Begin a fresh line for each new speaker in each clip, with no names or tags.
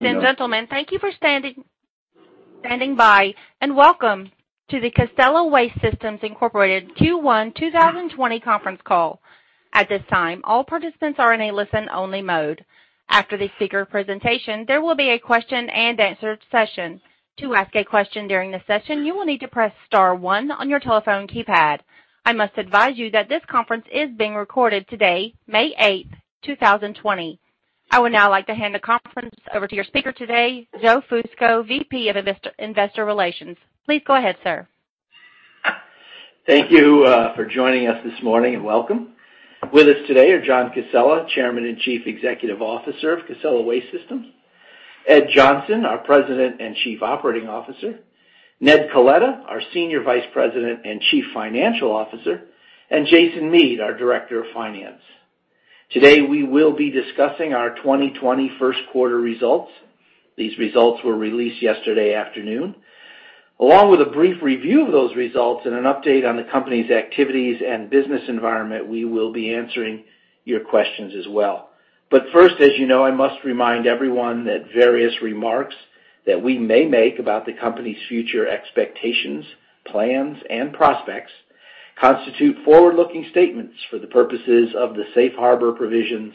Ladies and gentlemen, thank you for standing by, welcome to the Casella Waste Systems, Inc. Q1 2020 conference call. At this time, all participants are in a listen-only mode. After the speaker presentation, there will be a question-and-answer session. To ask a question during the session, you will need to press star one on your telephone keypad. I must advise you that this conference is being recorded today, May 8th, 2020. I would now like to hand the conference over to your speaker today, Joseph Fusco, VP of Investor Relations. Please go ahead, sir.
Thank you for joining us this morning and welcome. With us today are John Casella, Chairman and Chief Executive Officer of Casella Waste Systems, Ed Johnson, our President and Chief Operating Officer, Ned Coletta, our Senior Vice President and Chief Financial Officer, and Jason Mead, our Director of Finance. Today, we will be discussing our 2020 first quarter results. These results were released yesterday afternoon. Along with a brief review of those results and an update on the company's activities and business environment, we will be answering your questions as well. First, as you know, I must remind everyone that various remarks that we may make about the company's future expectations, plans, and prospects constitute forward-looking statements for the purposes of the Safe Harbor Provisions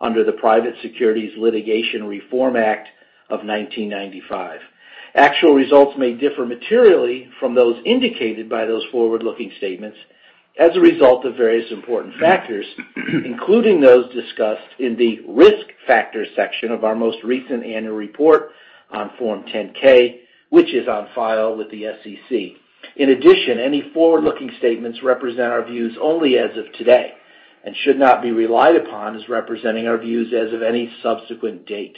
under the Private Securities Litigation Reform Act of 1995. Actual results may differ materially from those indicated by those forward-looking statements as a result of various important factors, including those discussed in the Risk Factors section of our most recent annual report on Form 10-K, which is on file with the SEC. Any forward-looking statements represent our views only as of today and should not be relied upon as representing our views as of any subsequent date.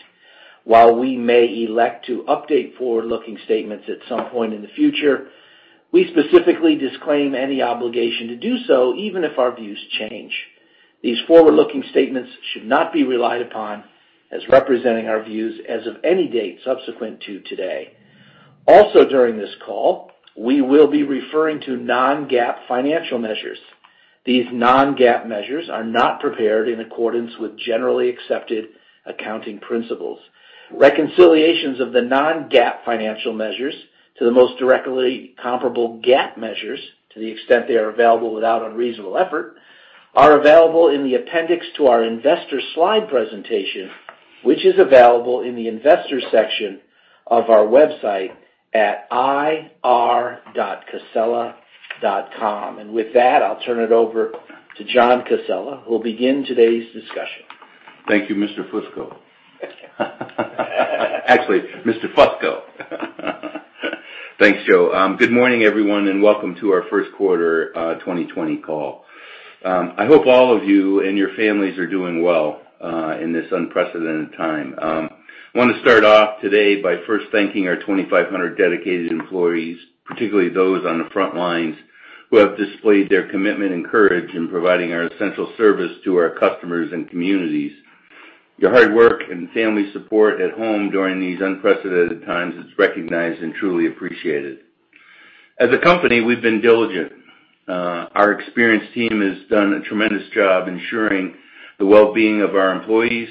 While we may elect to update forward-looking statements at some point in the future, we specifically disclaim any obligation to do so even if our views change. These forward-looking statements should not be relied upon as representing our views as of any date subsequent to today. During this call, we will be referring to non-GAAP financial measures. These non-GAAP measures are not prepared in accordance with generally accepted accounting principles. Reconciliations of the non-GAAP financial measures to the most directly comparable GAAP measures, to the extent they are available without unreasonable effort, are available in the appendix to our investor slide presentation, which is available in the Investors section of our website at ir.casella.com. With that, I'll turn it over to John Casella, who will begin today's discussion.
Thank you, Mr. Fusco.
Thanks, John.
Actually, Mr. Fusco. Thanks, Joe. Good morning, everyone, welcome to our first quarter 2020 call. I hope all of you and your families are doing well in this unprecedented time. I want to start off today by first thanking our 2,500 dedicated employees, particularly those on the front lines, who have displayed their commitment and courage in providing our essential service to our customers and communities. Your hard work and family support at home during these unprecedented times is recognized and truly appreciated. As a company, we've been diligent. Our experienced team has done a tremendous job ensuring the well-being of our employees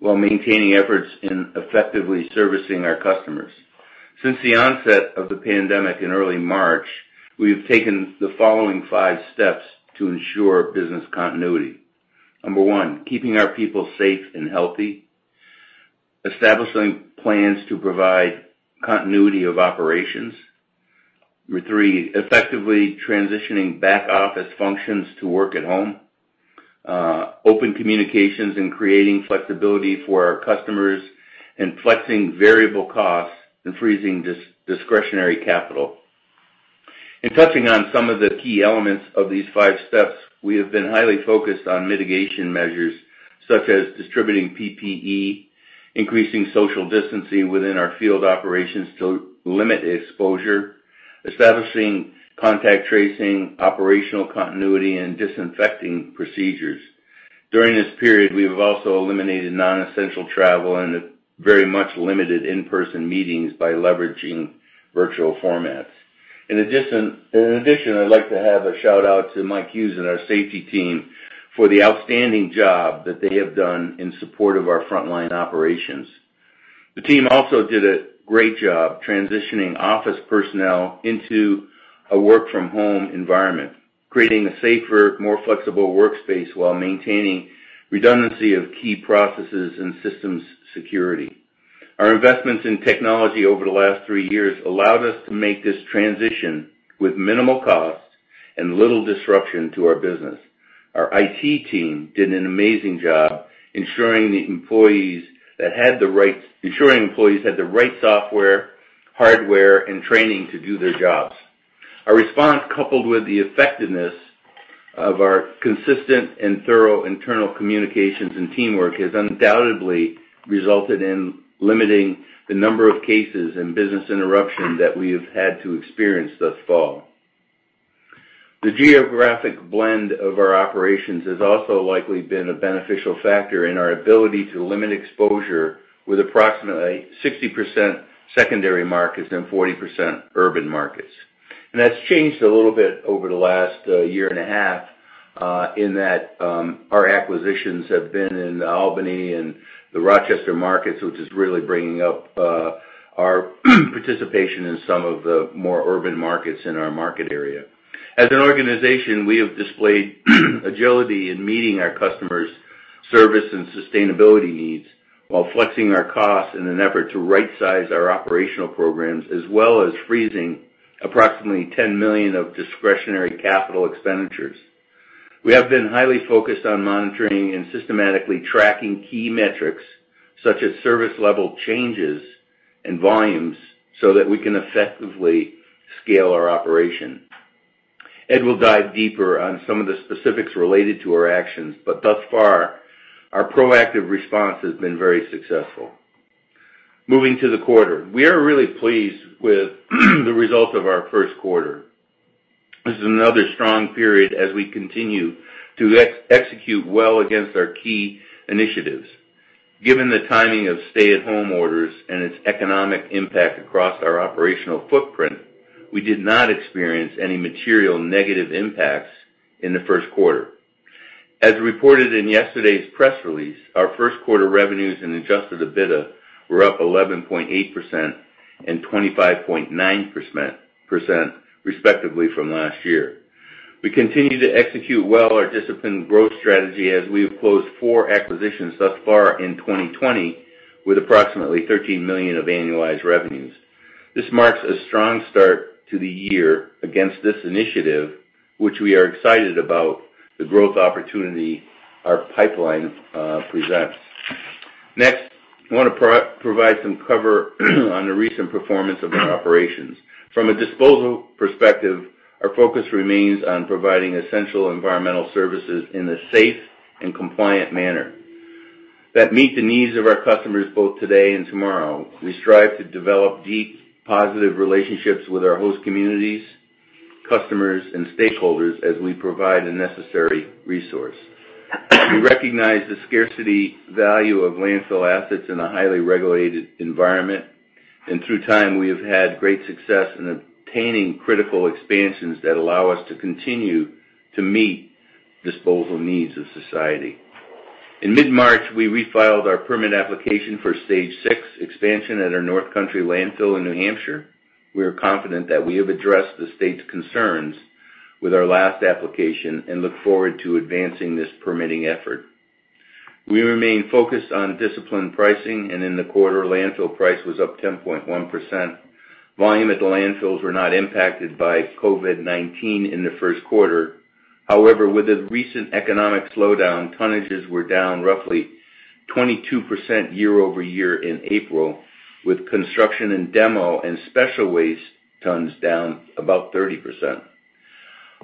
while maintaining efforts in effectively servicing our customers. Since the onset of the pandemic in early March, we have taken the following five steps to ensure business continuity. Number 1, keeping our people safe and healthy. Establishing plans to provide continuity of operations. Number three, effectively transitioning back office functions to work at home. Open communications and creating flexibility for our customers, and flexing variable costs and freezing discretionary capital. In touching on some of the key elements of these five steps, we have been highly focused on mitigation measures such as distributing PPE, increasing social distancing within our field operations to limit exposure, establishing contact tracing, operational continuity, and disinfecting procedures. During this period, we have also eliminated non-essential travel and very much limited in-person meetings by leveraging virtual formats. In addition, I'd like to have a shout-out to Mike Hughes and our safety team for the outstanding job that they have done in support of our frontline operations. The team also did a great job transitioning office personnel into a work-from-home environment, creating a safer, more flexible workspace while maintaining redundancy of key processes and systems security. Our investments in technology over the last three years allowed us to make this transition with minimal cost and little disruption to our business. Our IT team did an amazing job ensuring employees had the right software, hardware, and training to do their jobs. Our response, coupled with the effectiveness of our consistent and thorough internal communications and teamwork, has undoubtedly resulted in limiting the number of cases and business interruption that we have had to experience thus far. The geographic blend of our operations has also likely been a beneficial factor in our ability to limit exposure with approximately 60% secondary markets and 40% urban markets. That's changed a little bit over the last year and a half, in that our acquisitions have been in the Albany and the Rochester markets, which is really bringing up our participation in some of the more urban markets in our market area. As an organization, we have displayed agility in meeting our customers' service and sustainability needs while flexing our costs in an effort to right-size our operational programs, as well as freezing approximately $10 million of discretionary capital expenditures. We have been highly focused on monitoring and systematically tracking key metrics such as service level changes and volumes so that we can effectively scale our operation. Ed will dive deeper on some of the specifics related to our actions. Thus far, our proactive response has been very successful. Moving to the quarter. We are really pleased with the results of our first quarter. This is another strong period as we continue to execute well against our key initiatives. Given the timing of stay-at-home orders and its economic impact across our operational footprint, we did not experience any material negative impacts in the first quarter. As reported in yesterday's press release, our first quarter revenues and adjusted EBITDA were up 11.8% and 25.9%, respectively, from last year. We continue to execute well our disciplined growth strategy as we have closed four acquisitions thus far in 2020, with approximately $13 million of annualized revenues. This marks a strong start to the year against this initiative, which we are excited about the growth opportunity our pipeline presents. Next, I want to provide some cover on the recent performance of our operations. From a disposal perspective, our focus remains on providing essential environmental services in a safe and compliant manner that meet the needs of our customers both today and tomorrow. We strive to develop deep, positive relationships with our host communities, customers, and stakeholders as we provide a necessary resource. We recognize the scarcity value of landfill assets in a highly regulated environment, and through time, we have had great success in obtaining critical expansions that allow us to continue to meet disposal needs of society. In mid-March, we refiled our permit application for stage 6 expansion at our North Country landfill in New Hampshire. We are confident that we have addressed the state's concerns with our last application and look forward to advancing this permitting effort. We remain focused on disciplined pricing, and in the quarter, landfill price was up 10.1%. Volume at the landfills were not impacted by COVID-19 in the first quarter. However, with the recent economic slowdown, tonnages were down roughly 22% year-over-year in April, with construction and demo and special waste tons down about 30%.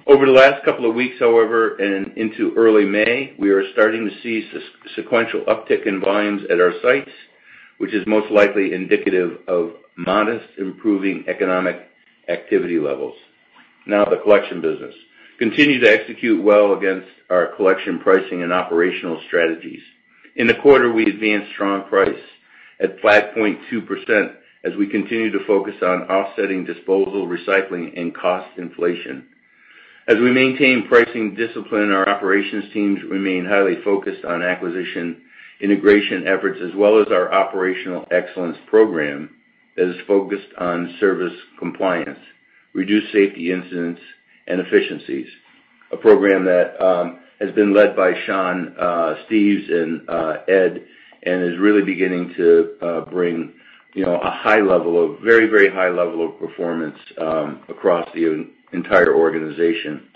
Over the last couple of weeks, however, and into early May, we are starting to see sequential uptick in volumes at our sites, which is most likely indicative of modest improving economic activity levels. The collection business continue to execute well against our collection pricing and operational strategies. In the quarter, we advanced strong price at 5.2% as we continue to focus on offsetting disposal, recycling, and cost inflation. As we maintain pricing discipline, our operations teams remain highly focused on acquisition, integration efforts as well as our operational excellence program that is focused on service compliance, reduced safety incidents, and efficiencies. A program that has been led by Sean Steves and Ed, and is really beginning to bring a very high level of performance across the entire organization.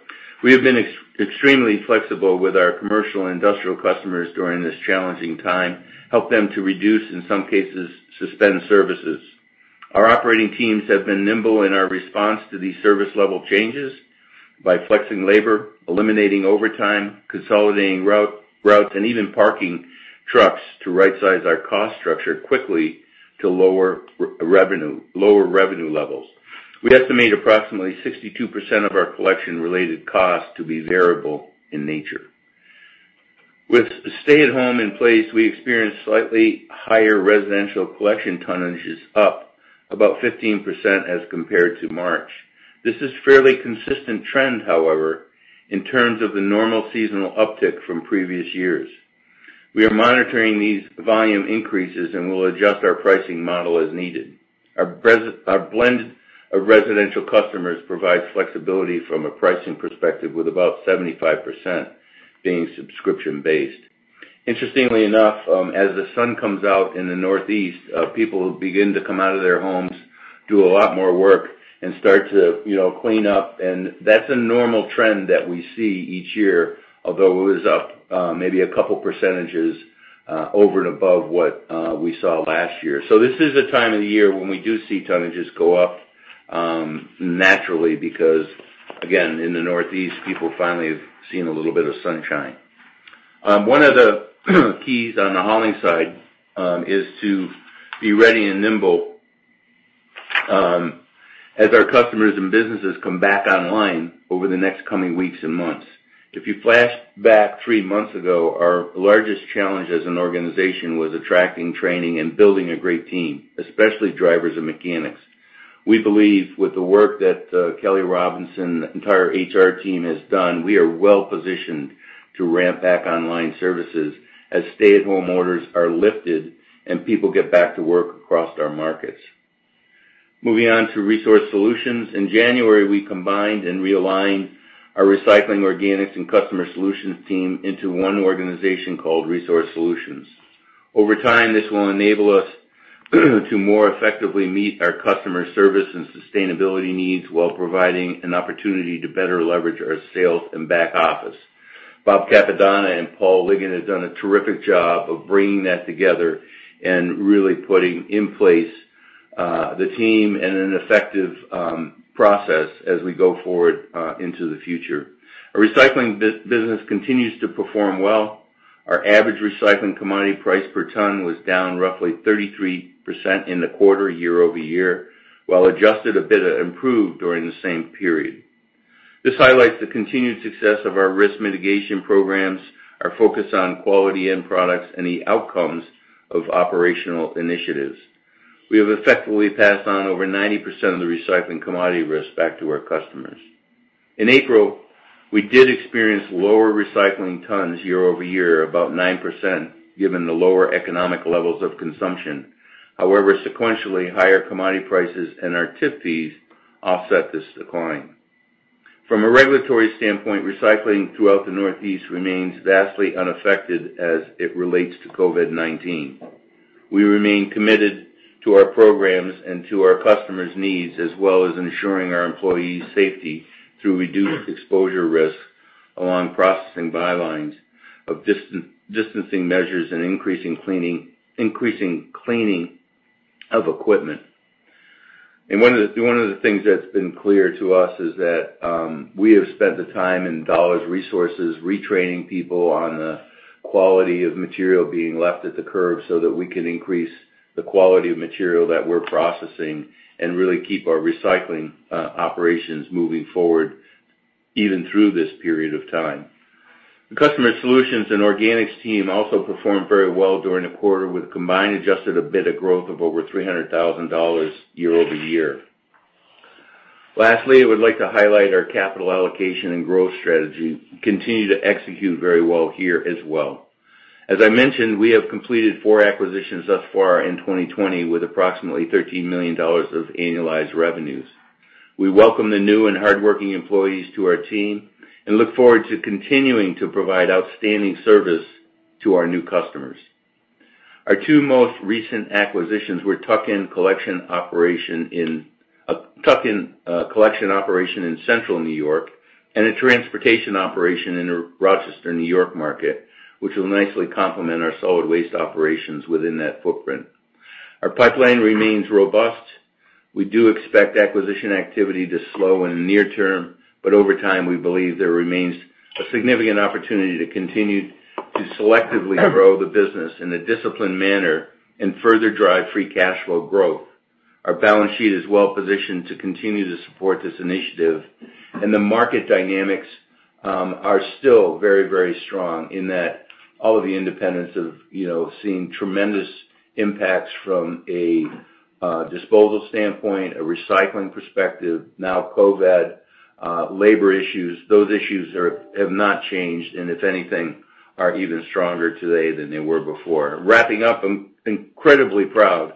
We have been extremely flexible with our commercial and industrial customers during this challenging time, help them to reduce, in some cases, suspend services. Our operating teams have been nimble in our response to these service level changes by flexing labor, eliminating overtime, consolidating routes, and even parking trucks to right-size our cost structure quickly to lower revenue levels. We estimate approximately 62% of our collection-related costs to be variable in nature. With stay-at-home in place, we experienced slightly higher residential collection tonnages up about 15% as compared to March. This is fairly consistent trend, however, in terms of the normal seasonal uptick from previous years. We are monitoring these volume increases and will adjust our pricing model as needed. Our blend of residential customers provides flexibility from a pricing perspective with about 75% being subscription-based. Interestingly enough, as the sun comes out in the Northeast, people begin to come out of their homes, do a lot more work and start to clean up, and that's a normal trend that we see each year, although it was up maybe a couple percentages over and above what we saw last year. This is a time of the year when we do see tonnages go up naturally because, again, in the Northeast, people finally have seen a little bit of sunshine. One of the keys on the hauling side is to be ready and nimble as our customers and businesses come back online over the next coming weeks and months. If you flash back three months ago, our largest challenge as an organization was attracting, training, and building a great team, especially drivers and mechanics. We believe with the work that Kelley Robinson, the entire HR team has done, we are well-positioned to ramp back online services as stay-at-home orders are lifted and people get back to work across our markets. Moving on to Resource Solutions. In January, we combined and realigned our Recycling, Organics, and Customer Solutions team into one organization called Resource Solutions. Over time, this will enable us to more effectively meet our customer service and sustainability needs while providing an opportunity to better leverage our sales and back office. Bob Cappadona and Paul Ligon have done a terrific job of bringing that together and really putting in place the team and an effective process as we go forward into the future. Our recycling business continues to perform well. Our average recycling commodity price per ton was down roughly 33% in the quarter year-over-year, while adjusted EBITDA improved during the same period. This highlights the continued success of our risk mitigation programs, our focus on quality end products, and the outcomes of operational initiatives. We have effectively passed on over 90% of the recycling commodity risk back to our customers. In April, we did experience lower recycling tons year-over-year, about 9%, given the lower economic levels of consumption. Sequentially, higher commodity prices and our tip fees offset this decline. From a regulatory standpoint, recycling throughout the Northeast remains vastly unaffected as it relates to COVID-19. We remain committed to our programs and to our customers' needs, as well as ensuring our employees' safety through reduced exposure risk along processing bylines of distancing measures and increasing cleaning of equipment. One of the things that's been clear to us is that we have spent the time and dollars, resources, retraining people on the quality of material being left at the curb so that we can increase the quality of material that we're processing and really keep our recycling operations moving forward, even through this period of time. The Customer Solutions and Organics team also performed very well during the quarter with combined adjusted EBITDA growth of over $300,000 year-over-year. Lastly, I would like to highlight our capital allocation and growth strategy continue to execute very well here as well. As I mentioned, we have completed four acquisitions thus far in 2020 with approximately $13 million of annualized revenues. We welcome the new and hardworking employees to our team and look forward to continuing to provide outstanding service to our new customers. Our two most recent acquisitions were a tuck-in collection operation in Central N.Y. and a transportation operation in the Rochester, N.Y. market, which will nicely complement our solid waste operations within that footprint. Our pipeline remains robust. Over time, we believe there remains a significant opportunity to continue to selectively grow the business in a disciplined manner and further drive free cash flow growth. Our balance sheet is well-positioned to continue to support this initiative, the market dynamics are still very strong in that all of the independents have seen tremendous impacts from a disposal standpoint, a recycling perspective, now COVID-19, labor issues. Those issues have not changed, if anything, are even stronger today than they were before. Wrapping up, I'm incredibly proud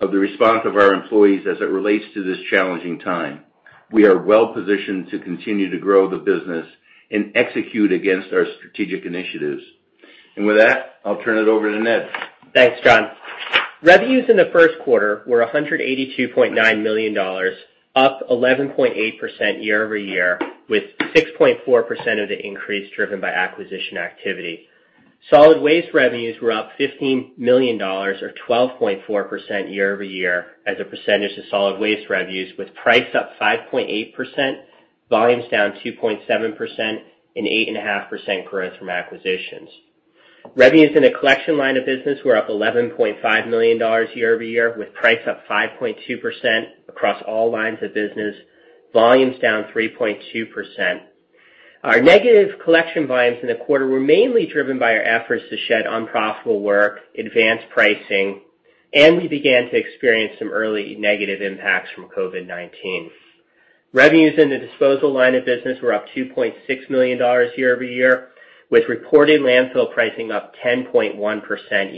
of the response of our employees as it relates to this challenging time. We are well-positioned to continue to grow the business and execute against our strategic initiatives. With that, I'll turn it over to Ned.
Thanks, John. Revenues in the first quarter were $182.9 million, up 11.8% year-over-year, with 6.4% of the increase driven by acquisition activity. Solid waste revenues were up $15 million or 12.4% year-over-year as a percentage of solid waste revenues, with price up 5.8%, volumes down 2.7%, and 8.5% growth from acquisitions. Revenues in the collection line of business were up $11.5 million year-over-year, with price up 5.2% across all lines of business, volumes down 3.2%. Our negative collection volumes in the quarter were mainly driven by our efforts to shed unprofitable work, advance pricing, and we began to experience some early negative impacts from COVID-19. Revenues in the disposal line of business were up $2.6 million year-over-year, with reported landfill pricing up 10.1%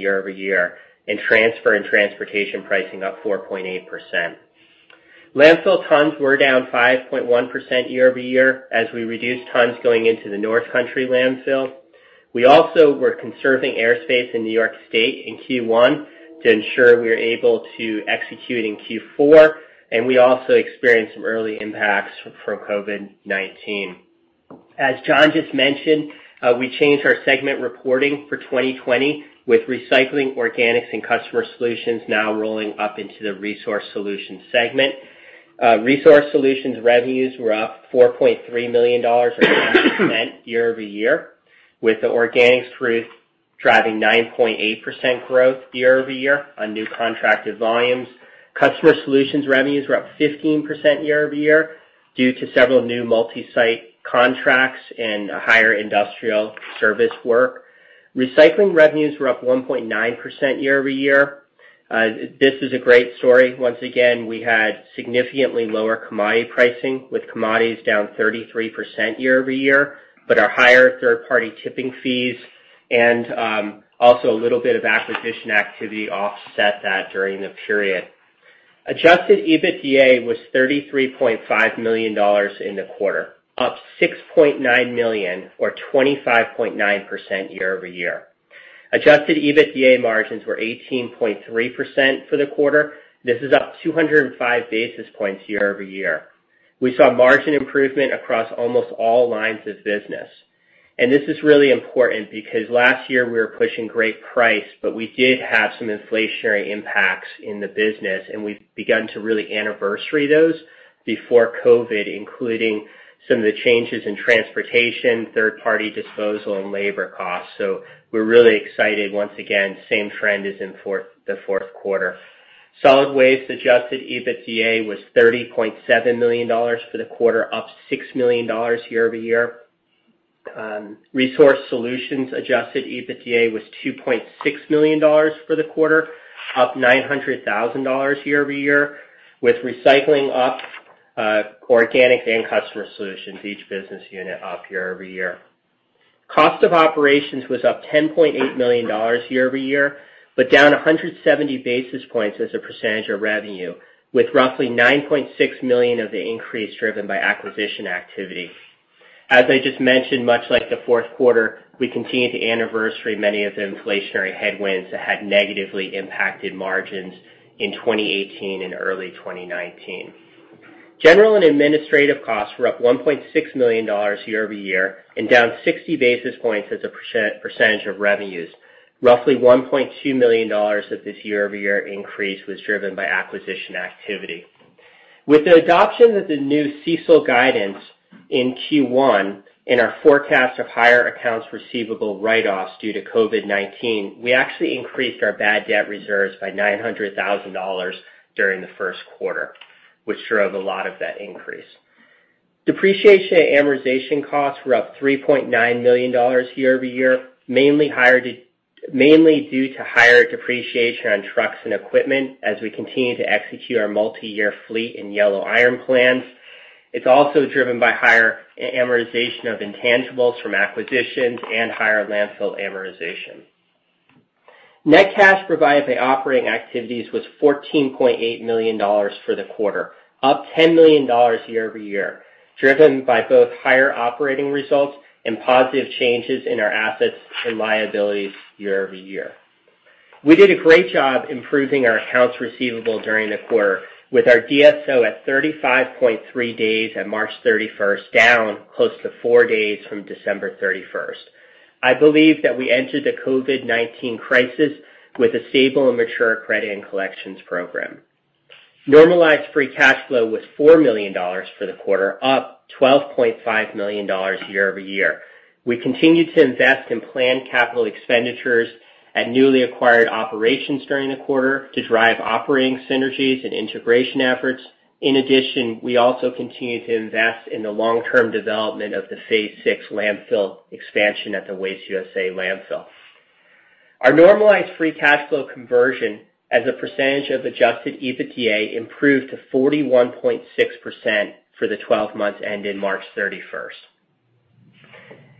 year-over-year and transfer and transportation pricing up 4.8%. Landfill tons were down 5.1% year-over-year as we reduced tons going into the North Country landfill. We also were conserving airspace in New York State in Q1 to ensure we are able to execute in Q4. We also experienced some early impacts from COVID-19. As John just mentioned, we changed our segment reporting for 2020 with Recycling, Organics, and Customer Solutions now rolling up into the Resource Solutions segment. Resource Solutions revenues were up $4.3 million or 19% year-over-year, with the Organics [proof] driving 9.8% growth year-over-year on new contracted volumes. Customer Solutions revenues were up 15% year-over-year due to several new multi-site contracts and higher industrial service work. Recycling revenues were up 1.9% year-over-year. This is a great story. Once again, we had significantly lower commodity pricing with commodities down 33% year-over-year, but our higher third-party tipping fees and also a little bit of acquisition activity offset that during the period. Adjusted EBITDA was $33.5 million in the quarter, up $6.9 million or 25.9% year-over-year. Adjusted EBITDA margins were 18.3% for the quarter. This is up 205 basis points year-over-year. We saw margin improvement across almost all lines of business. This is really important because last year we were pushing great price, but we did have some inflationary impacts in the business, and we've begun to really anniversary those before COVID-19, including some of the changes in transportation, third-party disposal, and labor costs. We're really excited, once again, same trend as in the fourth quarter. Solid Waste adjusted EBITDA was $30.7 million for the quarter, up $6 million year-over-year. Resource Solutions adjusted EBITDA was $2.6 million for the quarter, up $900,000 year-over-year, with recycling up, Organics and customer solutions, each business unit up year-over-year. Cost of operations was up $10.8 million year-over-year, down 170 basis points as a percentage of revenue, with roughly $9.6 million of the increase driven by acquisition activity. As I just mentioned, much like the fourth quarter, we continue to anniversary many of the inflationary headwinds that had negatively impacted margins in 2018 and early 2019. General and administrative costs were up $1.6 million year-over-year, down 60 basis points as a percentage of revenues. Roughly $1.2 million of this year-over-year increase was driven by acquisition activity. With the adoption of the new CECL guidance in Q1 and our forecast of higher accounts receivable write-offs due to COVID-19, we actually increased our bad debt reserves by $900,000 during the first quarter, which drove a lot of that increase. Depreciation and amortization costs were up $3.9 million year-over-year, mainly due to higher depreciation on trucks and equipment as we continue to execute our multi-year fleet and yellow iron plans. It's also driven by higher amortization of intangibles from acquisitions and higher landfill amortization. Net cash provided by operating activities was $14.8 million for the quarter, up $10 million year-over-year, driven by both higher operating results and positive changes in our assets and liabilities year-over-year. We did a great job improving our accounts receivable during the quarter with our DSO at 35.3 days at March 31st, down close to four days from December 31st. I believe that we entered the COVID-19 crisis with a stable and mature credit and collections program. Normalized free cash flow was $4 million for the quarter, up $12.5 million year-over-year. We continued to invest in planned capital expenditures at newly acquired operations during the quarter to drive operating synergies and integration efforts. In addition, we also continue to invest in the long-term development of the phase 6 landfill expansion at the Waste USA landfill. Our normalized free cash flow conversion as a percentage of adjusted EBITDA improved to 41.6% for the 12 months ended March 31st.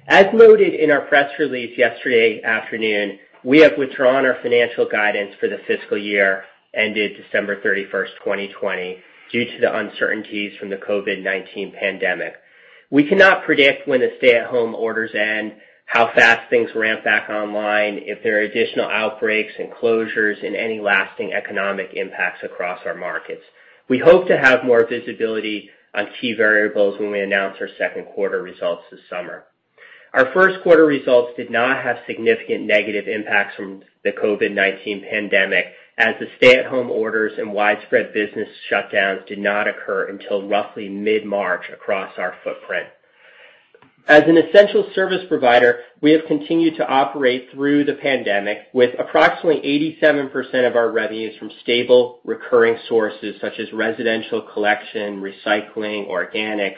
As noted in our press release yesterday afternoon, we have withdrawn our financial guidance for the fiscal year ended December 31st, 2020, due to the uncertainties from the COVID-19 pandemic. We cannot predict when the stay-at-home orders end, how fast things ramp back online, if there are additional outbreaks and closures, and any lasting economic impacts across our markets. We hope to have more visibility on key variables when we announce our second quarter results this summer. Our first quarter results did not have significant negative impacts from the COVID-19 pandemic, as the stay-at-home orders and widespread business shutdowns did not occur until roughly mid-March across our footprint. As an essential service provider, we have continued to operate through the pandemic with approximately 87% of our revenues from stable recurring sources such as residential collection, recycling, organics.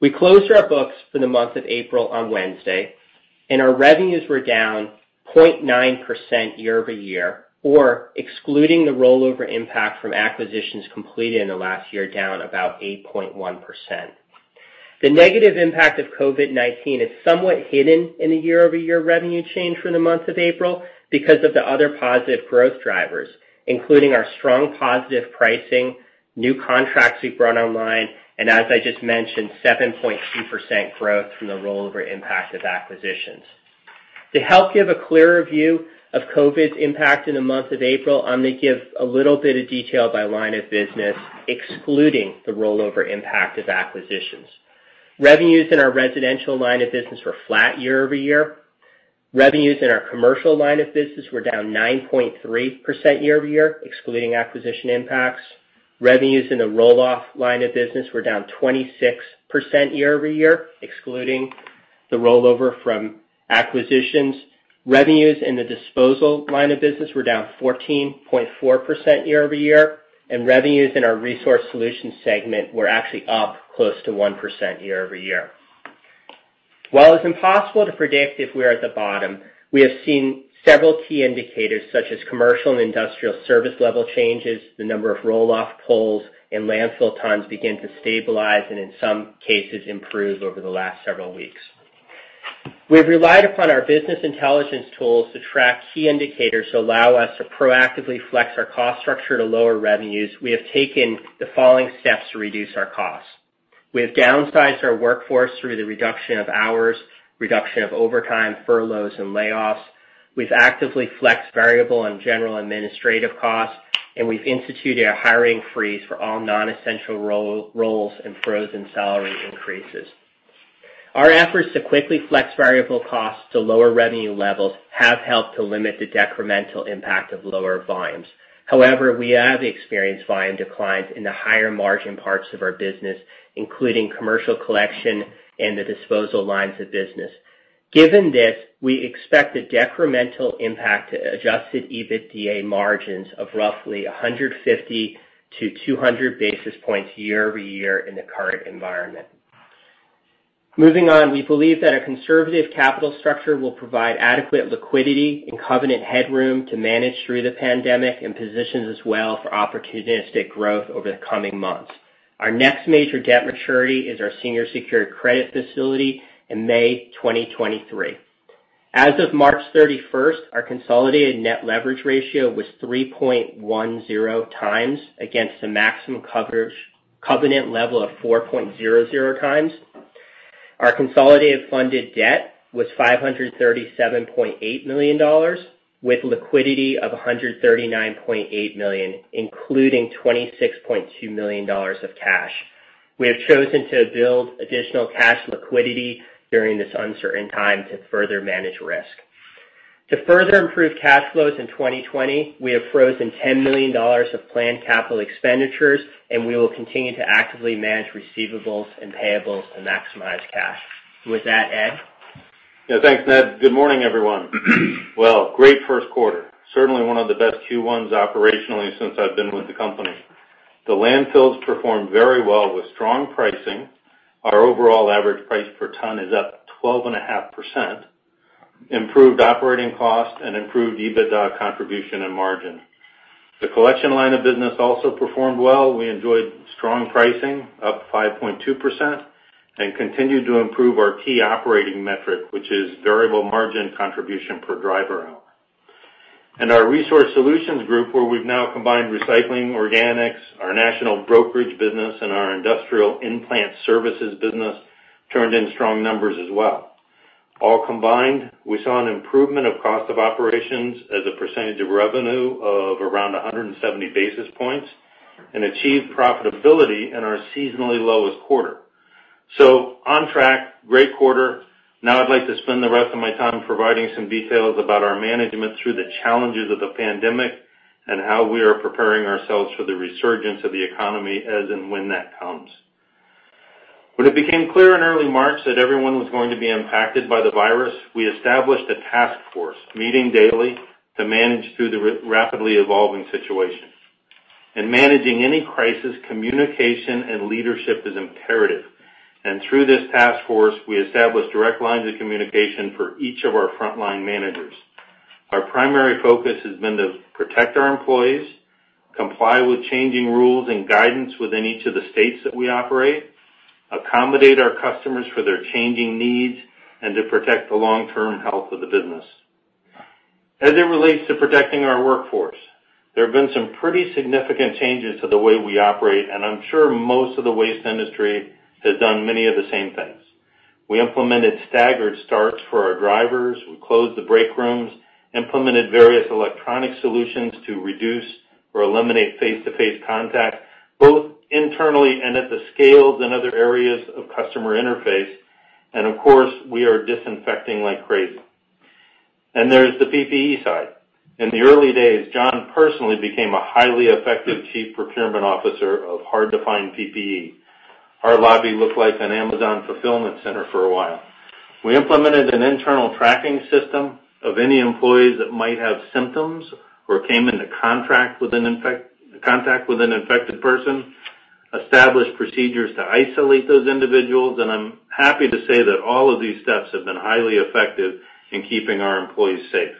We closed our books for the month of April on Wednesday, and our revenues were down 0.9% year-over-year, or excluding the rollover impact from acquisitions completed in the last year, down about 8.1%. The negative impact of COVID-19 is somewhat hidden in the year-over-year revenue change for the month of April because of the other positive growth drivers, including our strong positive pricing, new contracts we've brought online, and as I just mentioned, 7.2% growth from the rollover impact of acquisitions. To help give a clearer view of COVID's impact in the month of April, I'm going to give a little bit of detail by line of business, excluding the rollover impact of acquisitions. Revenues in our residential line of business were flat year-over-year. Revenues in our commercial line of business were down 9.3% year-over-year, excluding acquisition impacts. Revenues in the roll-off line of business were down 26% year-over-year, excluding the rollover from acquisitions. Revenues in the disposal line of business were down 14.4% year-over-year, and revenues in our Resource Solutions segment were actually up close to 1% year-over-year. While it's impossible to predict if we are at the bottom, we have seen several key indicators, such as commercial and industrial service level changes, the number of roll-off pulls, and landfill tons begin to stabilize, and in some cases, improve over the last several weeks. We've relied upon our business intelligence tools to track key indicators to allow us to proactively flex our cost structure to lower revenues. We have taken the following steps to reduce our costs. We have downsized our workforce through the reduction of hours, reduction of overtime, furloughs, and layoffs. We've actively flexed variable and general administrative costs, and we've instituted a hiring freeze for all non-essential roles and frozen salary increases. Our efforts to quickly flex variable costs to lower revenue levels have helped to limit the decremental impact of lower volumes. However, we have experienced volume declines in the higher margin parts of our business, including commercial collection and the disposal lines of business. Given this, we expect a decremental impact to adjusted EBITDA margins of roughly 150-200 basis points year-over-year in the current environment. Moving on, we believe that a conservative capital structure will provide adequate liquidity and covenant headroom to manage through the pandemic and positions us well for opportunistic growth over the coming months. Our next major debt maturity is our senior secured credit facility in May 2023. As of March 31st, our consolidated net leverage ratio was 3.10x against the maximum covenant level of 4.00x. Our consolidated funded debt was $537.8 million, with liquidity of $139.8 million, including $26.2 million of cash. We have chosen to build additional cash liquidity during this uncertain time to further manage risk. To further improve cash flows in 2020, we have frozen $10 million of planned capital expenditures, and we will continue to actively manage receivables and payables to maximize cash. With that, Ed?
Yeah, thanks, Ned. Good morning, everyone. Well, great first quarter, certainly one of the best Q1s operationally since I've been with the company. The landfills performed very well with strong pricing. Our overall average price per ton is up 12.5%, improved operating costs, and improved EBITDA contribution and margin. The collection line of business also performed well. We enjoyed strong pricing, up 5.2%, and continued to improve our key operating metric, which is variable margin contribution per driver hour. Our Resource Solutions group, where we've now combined recycling, Organics, our national brokerage business, and our industrial in-plant services business, turned in strong numbers as well. All combined, we saw an improvement of cost of operations as a percentage of revenue of around 170 basis points and achieved profitability in our seasonally lowest quarter. On track, great quarter. Now I'd like to spend the rest of my time providing some details about our management through the challenges of the pandemic and how we are preparing ourselves for the resurgence of the economy as and when that comes. When it became clear in early March that everyone was going to be impacted by the virus, we established a task force, meeting daily to manage through the rapidly evolving situation. In managing any crisis, communication and leadership is imperative, and through this task force, we established direct lines of communication for each of our frontline managers. Our primary focus has been to protect our employees, comply with changing rules and guidance within each of the states that we operate, accommodate our customers for their changing needs, and to protect the long-term health of the business. As it relates to protecting our workforce, there have been some pretty significant changes to the way we operate, and I'm sure most of the waste industry has done many of the same things. We implemented staggered starts for our drivers. We closed the break rooms, implemented various electronic solutions to reduce or eliminate face-to-face contact, both internally and at the scales in other areas of customer interface, and of course, we are disinfecting like crazy. There's the PPE side. In the early days, John personally became a highly effective chief procurement officer of hard-to-find PPE. Our lobby looked like an Amazon fulfillment center for a while. We implemented an internal tracking system of any employees that might have symptoms or came into contact with an infected person, established procedures to isolate those individuals. I'm happy to say that all of these steps have been highly effective in keeping our employees safe.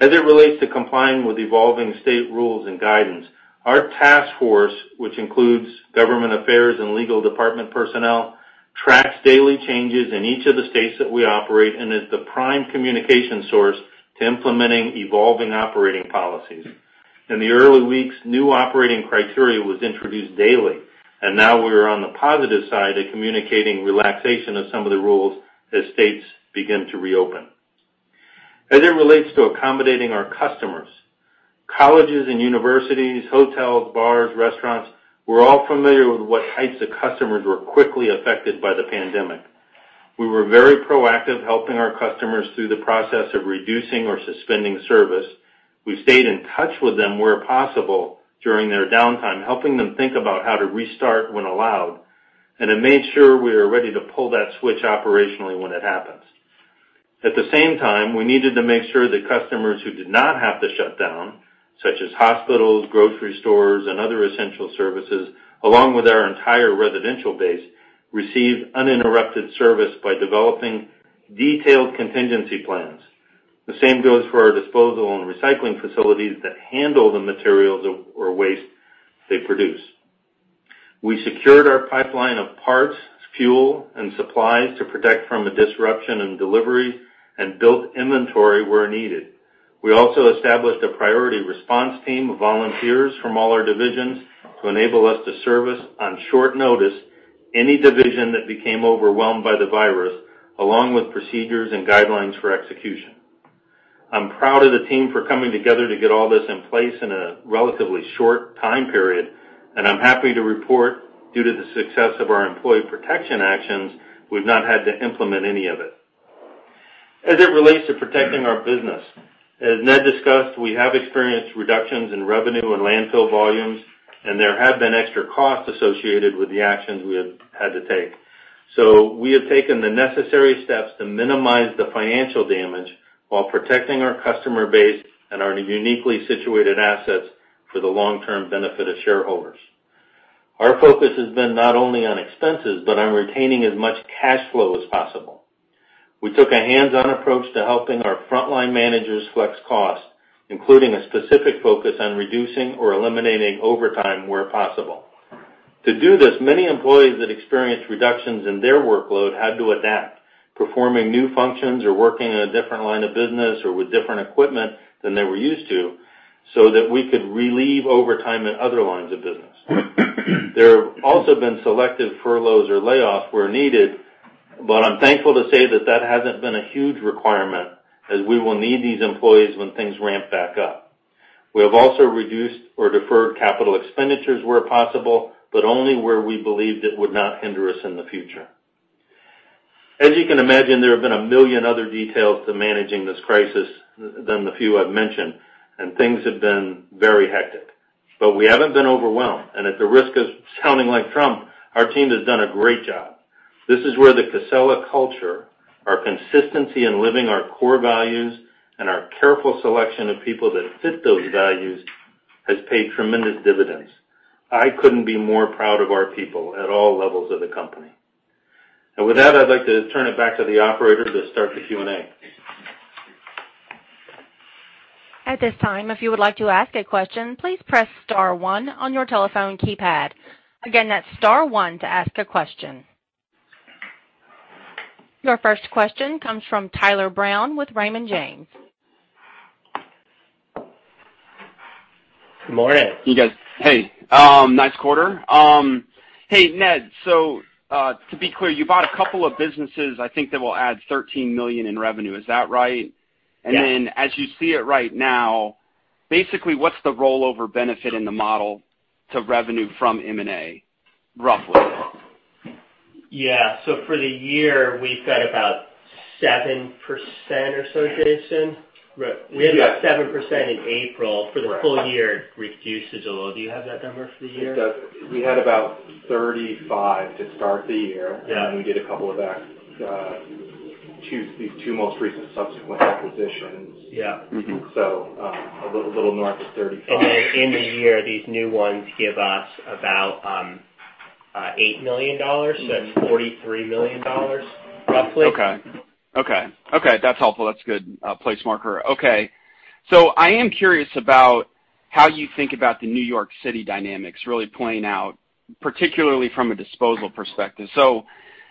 As it relates to complying with evolving state rules and guidance, our task force, which includes government affairs and legal department personnel, tracks daily changes in each of the states that we operate and is the prime communication source to implementing evolving operating policies. In the early weeks, new operating criteria was introduced daily. Now we are on the positive side of communicating relaxation of some of the rules as states begin to reopen. As it relates to accommodating our customers, colleges and universities, hotels, bars, restaurants, we're all familiar with what types of customers were quickly affected by the pandemic. We were very proactive helping our customers through the process of reducing or suspending service. We stayed in touch with them where possible during their downtime, helping them think about how to restart when allowed, and then made sure we were ready to pull that switch operationally when it happens. At the same time, we needed to make sure that customers who did not have to shut down, such as hospitals, grocery stores, and other essential services, along with our entire residential base, received uninterrupted service by developing detailed contingency plans. The same goes for our disposal and recycling facilities that handle the materials or waste they produce. We secured our pipeline of parts, fuel, and supplies to protect from a disruption in delivery, and built inventory where needed. We also established a priority response team of volunteers from all our divisions to enable us to service, on short notice, any division that became overwhelmed by the virus, along with procedures and guidelines for execution. I'm proud of the team for coming together to get all this in place in a relatively short time period, and I'm happy to report due to the success of our employee protection actions, we've not had to implement any of it. As it relates to protecting our business, as Ned discussed, we have experienced reductions in revenue and landfill volumes, and there have been extra costs associated with the actions we have had to take. We have taken the necessary steps to minimize the financial damage while protecting our customer base and our uniquely situated assets for the long-term benefit of shareholders. Our focus has been not only on expenses, but on retaining as much cash flow as possible. We took a hands-on approach to helping our frontline managers flex costs, including a specific focus on reducing or eliminating overtime where possible. To do this, many employees that experienced reductions in their workload had to adapt, performing new functions or working in a different line of business or with different equipment than they were used to so that we could relieve overtime in other lines of business. There have also been selective furloughs or layoffs where needed, but I'm thankful to say that that hasn't been a huge requirement, as we will need these employees when things ramp back up. We have also reduced or deferred capital expenditures where possible, but only where we believed it would not hinder us in the future. As you can imagine, there have been a million other details to managing this crisis than the few I've mentioned, and things have been very hectic. We haven't been overwhelmed, and at the risk of sounding like Trump, our team has done a great job. This is where the Casella culture, our consistency in living our core values, and our careful selection of people that fit those values has paid tremendous dividends. With that, I'd like to turn it back to the operator to start the Q&A.
At this time, if you would like to ask a question, please press star one on your telephone keypad. Again, that's star one to ask a question. Your first question comes from Tyler Brown with Raymond James.
Good morning.
Hey guys. Hey, Mead. To be clear, you bought a couple of businesses, I think that will add $13 million in revenue. Is that right?
Yeah.
As you see it right now, basically, what's the rollover benefit in the model to revenue from M&A, roughly?
Yeah. For the year, we've got about 7% or so, Jason. We had about 7% in April. For the full year, it reduces a little. Do you have that number for the year?
We had about 35 to start the year. Yeah. We did these two most recent subsequent acquisitions.
Yeah. A little north of 35. In the year, these new ones give us about $8 million. That's $43 million, roughly.
Okay. That's helpful. That's a good place marker. Okay. I am curious about how you think about the New York City dynamics really playing out, particularly from a disposal perspective.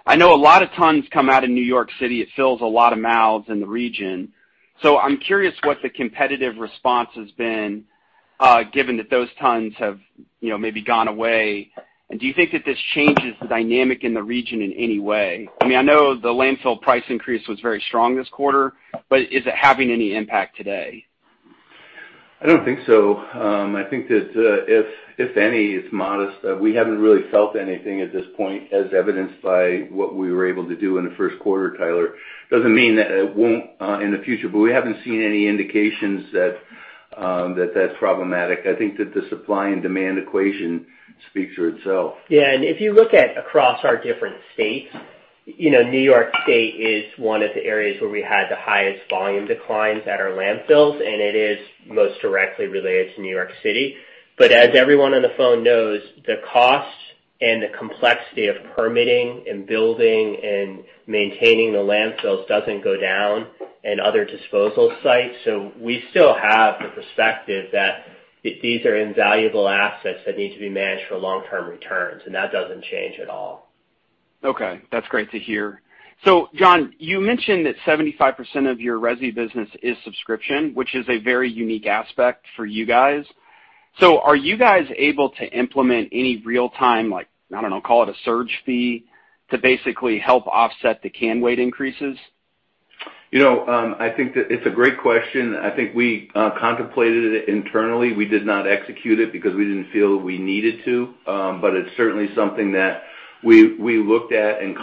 I know a lot of tons come out of New York City. It fills a lot of mouths in the region. I'm curious what the competitive response has been, given that those tons have maybe gone away. Do you think that this changes the dynamic in the region in any way? I know the landfill price increase was very strong this quarter, but is it having any impact today?
I don't think so. I think that, if any, it's modest. We haven't really felt anything at this point, as evidenced by what we were able to do in the first quarter, Tyler. We haven't seen any indications that that's problematic. I think that the supply and demand equation speaks for itself.
Yeah, If you look at across our different states, New York State is one of the areas where we had the highest volume declines at our landfills, and it is most directly related to New York City. As everyone on the phone knows, the cost and the complexity of permitting and building and maintaining the landfills doesn't go down in other disposal sites. We still have the perspective that these are invaluable assets that need to be managed for long-term returns, and that doesn't change at all.
Okay. That's great to hear. John, you mentioned that 75% of your resi business is subscription, which is a very unique aspect for you guys. Are you guys able to implement any real-time, I don't know, call it a surge fee, to basically help offset the can weight increases?
I think that it's a great question. I think we contemplated it internally. We did not execute it because we didn't feel we needed to. It's certainly something that we looked at and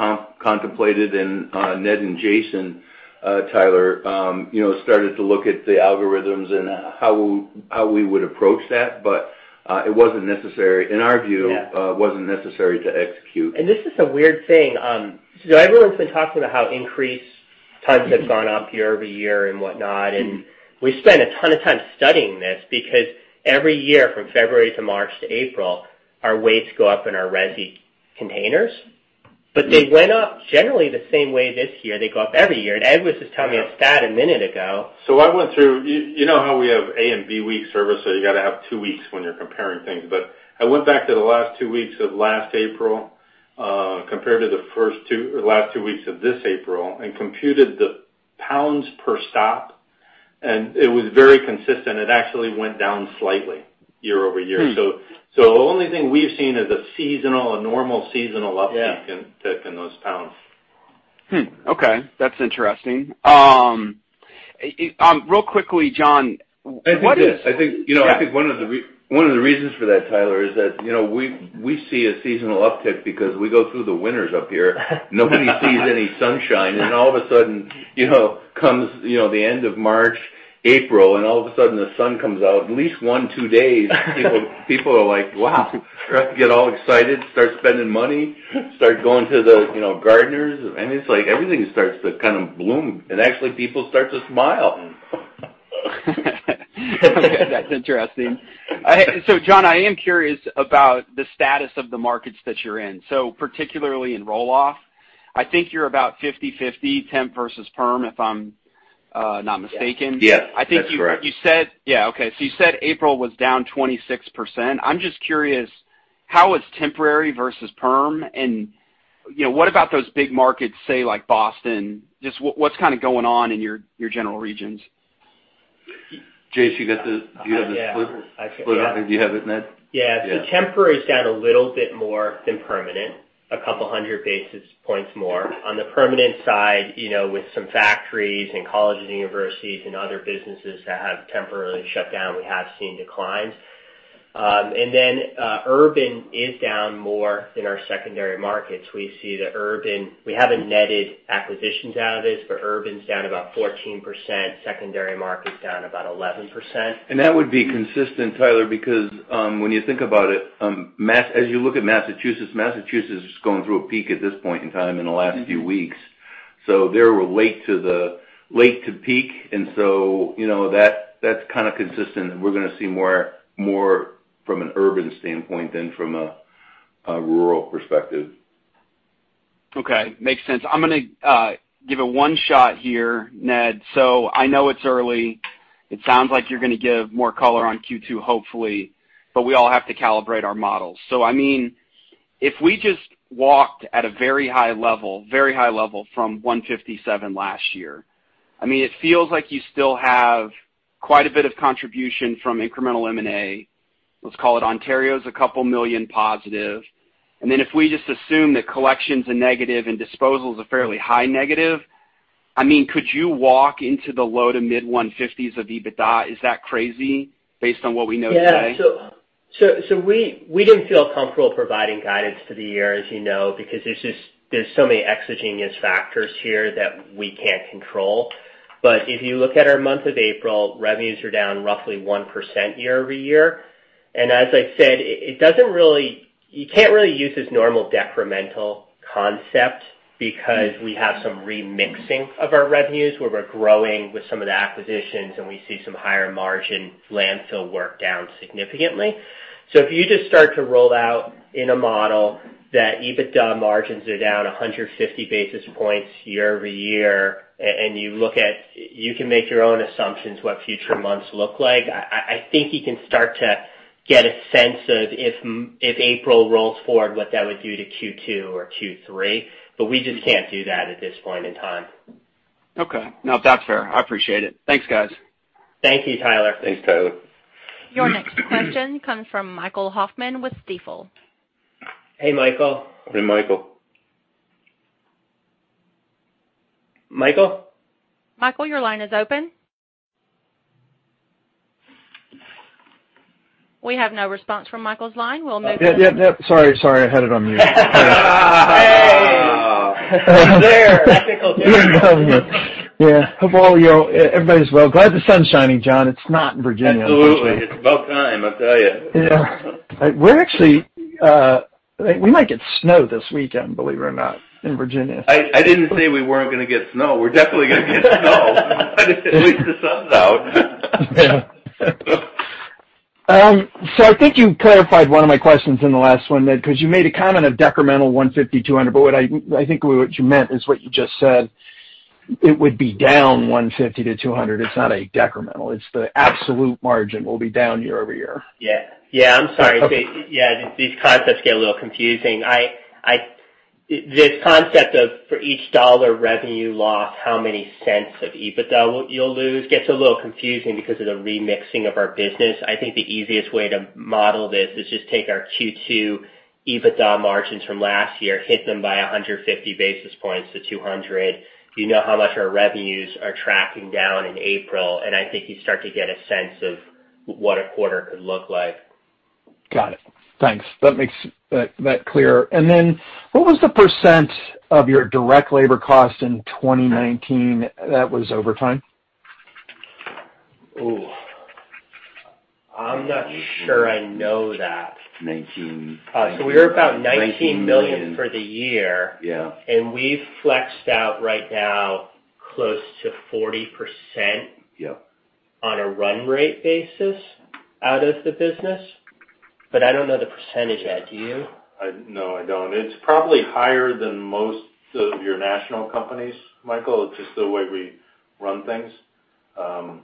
contemplated, and Ned and Jason, Tyler, started to look at the algorithms and how we would approach that. It wasn't necessary.
Yeah
It wasn't necessary to execute.
This is a weird thing. Everyone's been talking about how increase tons have gone up year-over-year and whatnot. We spent a ton of time studying this because every year from February to March to April, our weights go up in our resi containers. They went up generally the same way this year. They go up every year. Ed was just telling me.
Yeah
a stat a minute ago.
I went through You know how we have A and B week service, so you got to have two weeks when you're comparing things. I went back to the last two weeks of last April, compared to the last two weeks of this April, and computed the pounds per stop, and it was very consistent. It actually went down slightly year-over-year. The only thing we've seen is a normal seasonal uptick.
Yeah
in those pounds.
Okay. That's interesting. Real quickly, John, what is?
I think one of the reasons for that, Tyler, is that we see a seasonal uptick because we go through the winters up here. Nobody sees any sunshine. All of a sudden, comes the end of March, April, and all of a sudden the sun comes out at least one, two days. People are like, "Wow." They get all excited, start spending money, start going to the gardeners, and it's like everything starts to kind of bloom, and actually people start to smile.
Okay. That's interesting. John, I am curious about the status of the markets that you're in. Particularly in roll-off, I think you're about 50/50 temp versus perm, if I'm not mistaken.
Yes. That's correct.
Yeah, okay. You said April was down 26%. I'm just curious, how is temporary versus perm, and what about those big markets, say, like Boston? Just what's kind of going on in your general regions?
Jason, do you have the split?
Yeah.
Do you have it, Mead?
Yeah.
Yeah.
Temporary is down a little bit more than permanent, 200 basis points more. On the permanent side, with some factories and colleges and universities and other businesses that have temporarily shut down, we have seen declines. Urban is down more than our secondary markets. We haven't netted acquisitions out of this, but urban's down about 14%, secondary market's down about 11%.
That would be consistent, Tyler, because when you think about it, as you look at Massachusetts is going through a peak at this point in time in the last few weeks. They're late to peak, and so that's kind of consistent, and we're going to see more from an urban standpoint than from a rural perspective.
Okay. Makes sense. I'm going to give it one shot here, Ned. I know it's early. It sounds like you're going to give more color on Q2, hopefully. We all have to calibrate our models. If we just walked at a very high level from $157 last year, it feels like you still have quite a bit of contribution from incremental M&A. Let's call it Ontario's a couple million USD positive. If we just assume that collections are negative and disposals are fairly high negative, could you walk into the low to mid-$150s of EBITDA? Is that crazy based on what we know today?
Yeah, we didn't feel comfortable providing guidance for the year, as you know, because there's so many exogenous factors here that we can't control. If you look at our month of April, revenues are down roughly 1% year-over-year. As I said, you can't really use this normal decremental concept because we have some remixing of our revenues where we're growing with some of the acquisitions, and we see some higher margin landfill work down significantly. If you just start to roll out in a model that EBITDA margins are down 150 basis points year-over-year, and you can make your own assumptions what future months look like, I think you can start to get a sense of if April rolls forward, what that would do to Q2 or Q3. We just can't do that at this point in time.
Okay. No, that's fair. I appreciate it. Thanks, guys.
Thank you, Tyler.
Thanks, Tyler.
Your next question comes from Michael Hoffman with Stifel.
Hey, Michael.
Hey, Michael.
Michael?
Michael, your line is open. We have no response from Michael's line. We'll move on.
Yeah. Sorry, I had it on mute.
Hey. He's there.
That tickles me.
Yeah. Hope all y'all, everybody's well. Glad the sun's shining, John. It's not in Virginia.
Absolutely. It's about time, I tell you.
Yeah. We might get snow this weekend, believe it or not, in Virginia.
I didn't say we weren't going to get snow. We're definitely going to get snow. At least the sun's out.
I think you clarified one of my questions in the last one, Ned, because you made a comment of decremental 150, 200. What I think what you meant is what you just said, it would be down 150-200. It's not a decremental. It's the absolute margin will be down year-over-year.
Yeah. I'm sorry.
Okay.
Yeah. These concepts get a little confusing. This concept of for each dollar revenue lost, how many cents of EBITDA you'll lose gets a little confusing because of the remixing of our business. I think the easiest way to model this is just take our Q2 EBITDA margins from last year, hit them by 150-200 basis points. I think you start to get a sense of what a quarter could look like.
Got it. Thanks. That makes that clear. Then what was the percent of your direct labor cost in 2019 that was overtime?
I'm not sure I know that. We were about $19 million for the year.
Yeah.
We've flexed out right now close to 40%.
Yeah
on a run rate basis out of the business. I don't know the percentage. Ed, do you?
No, I don't. It's probably higher than most of your national companies, Michael. It's just the way we run things.
Yeah.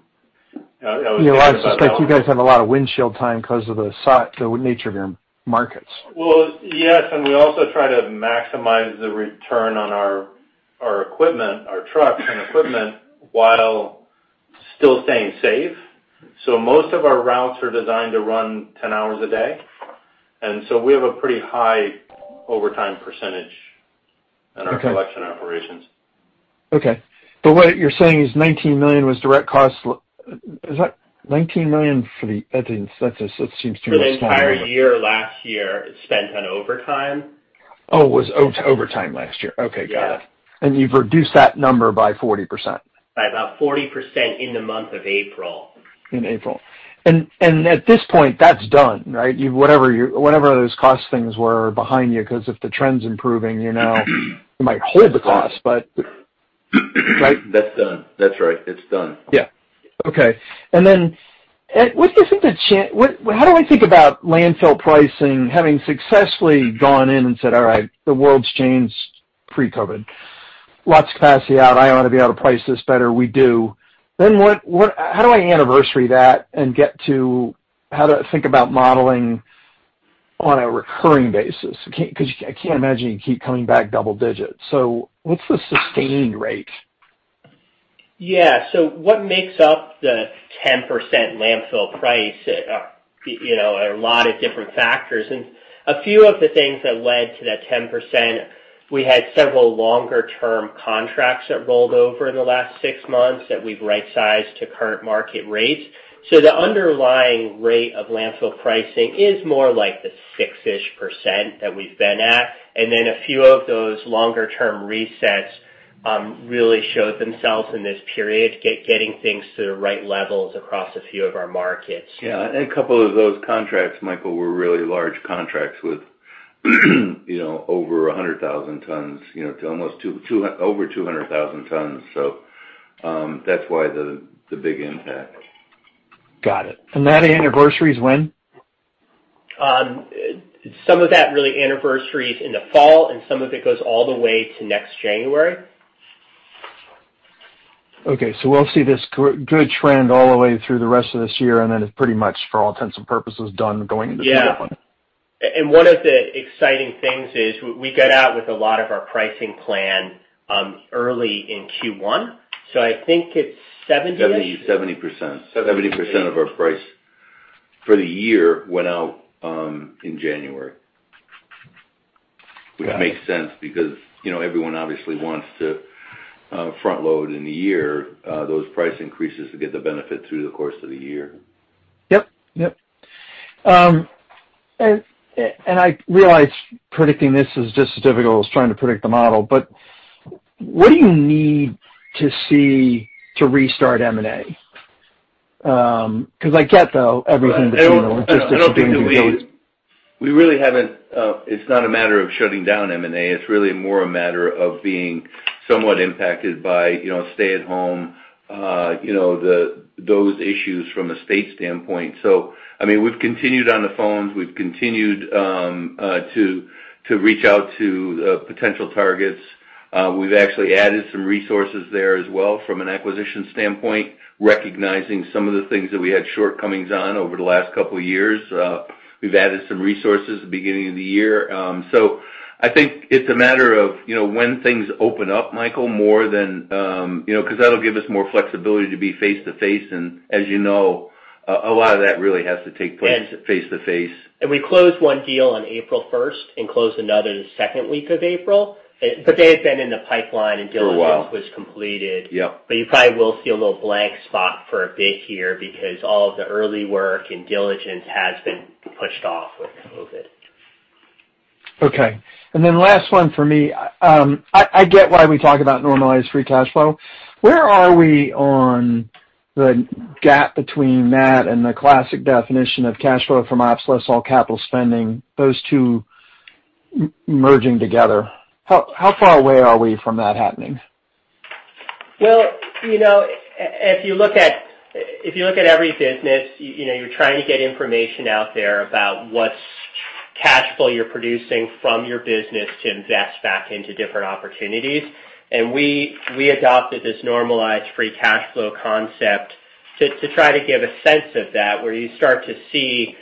Well, I just think you guys have a lot of windshield time because of the site, the nature of your markets.
Well, yes. We also try to maximize the return on our equipment, our trucks and equipment, while still staying safe. Most of our routes are designed to run 10 hours a day, and so we have a pretty high overtime percentage.
Okay
in our collection operations.
Okay. What you're saying is $19 million was direct cost. Is that $19 million? I think that just seems too much.
For the entire year, last year, spent on overtime.
Oh, was overtime last year. Okay. Got it.
Yeah.
You've reduced that number by 40%.
By about 40% in the month of April.
In April. At this point, that's done, right? Whatever those cost things were are behind you, because if the trend's improving, you might hold the cost. Right?
That's done. That's right. It's done.
Yeah. Okay. How do I think about landfill pricing, having successfully gone in and said, "All right, the world's changed pre-COVID. Lots of capacity out. I ought to be able to price this better. We do." How do I anniversary that and get to how to think about modeling on a recurring basis? I can't imagine you keep coming back double digits. What's the sustained rate?
Yeah. What makes up the 10% landfill price? A lot of different factors. A few of the things that led to that 10%, we had several longer-term contracts that rolled over in the last six months that we've right-sized to current market rates. The underlying rate of landfill pricing is more like the six-ish% that we've been at. A few of those longer-term resets really showed themselves in this period, getting things to the right levels across a few of our markets.
Yeah. A couple of those contracts, Michael, were really large contracts with over 100,000 tons to almost over 200,000 tons. That's why the big impact.
Got it. That anniversaries when?
Some of that really anniversaries in the fall, and some of it goes all the way to next January.
Okay. We'll see this good trend all the way through the rest of this year, and then it's pretty much, for all intents and purposes, done going into Q1.
Yeah. One of the exciting things is we got out with a lot of our pricing plan early in Q1, so I think it's 70-ish.
70%. 70% of our price for the year went out in January.
Got it.
Which makes sense because everyone obviously wants to front-load in the year those price increases to get the benefit through the course of the year.
Yep. I realize predicting this is just as difficult as trying to predict the model, but what do you need to see to restart M&A? I get the everything between the logistical things and those.
It's not a matter of shutting down M&A, it's really more a matter of being somewhat impacted by stay-at-home, those issues from a state standpoint. We've continued on the phones, we've continued to reach out to potential targets. We've actually added some resources there as well from an acquisition standpoint, recognizing some of the things that we had shortcomings on over the last couple of years. We've added some resources at the beginning of the year. I think it's a matter of when things open up, Michael, more than Because that'll give us more flexibility to be face-to-face, and as you know, a lot of that really has to take place face-to-face.
We closed one deal on April 1st and closed another the second week of April. They had been in the pipeline.
For a while.
until it was completed.
Yeah.
You probably will see a little blank spot for a bit here because all of the early work and diligence has been pushed off with COVID.
Okay. Then last one for me. I get why we talk about normalized free cash flow. Where are we on the GAAP between that and the classic definition of cash flow from ops less all capital spending, those two merging together? How far away are we from that happening?
Well, if you look at every business, you're trying to get information out there about what cash flow you're producing from your business to invest back into different opportunities. We adopted this normalized free cash flow concept to try to get a sense of that, where you start to see